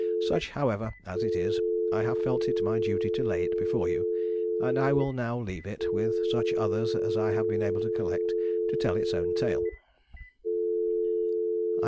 Such, however, as it is, I have felt it my duty to lay it before you; and I will now leave it, with such other as I have been able to collect, to tell its own tale.